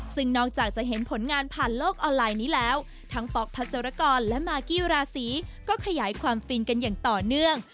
ซึ่งนอกจากจะเห็นผลงานผ่านโลกออนไลน์นี้แล้วทั้งป๊อกพัศรกรและมากี้ราศีก็ขยายความฟินกันอย่างต่อเนื่อง